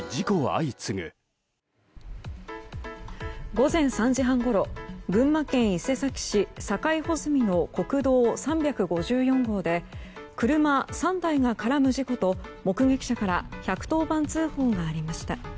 午前３時半ごろ群馬県伊勢崎市境保泉の国道３５４号で車３台が絡む事故と目撃者から１１０番通報がありました。